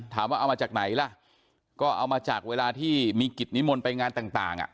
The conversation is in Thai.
ถามว่าเอามาจากไหนล่ะก็เอามาจากเวลาที่มีกิจนิมนต์ไปงานต่างอ่ะ